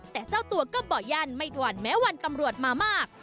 แต่เจ้าตัวก็บ่อยั่นไม่หวั่นแม้วันตำรวจมามาก